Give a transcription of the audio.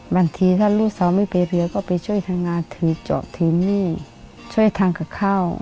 บางทีถ้าลูกสาวไม่ไปเรือก็ไปช่วยทำงานถือเจาะถือหนี้ช่วยทำกับข้าว